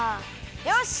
よし！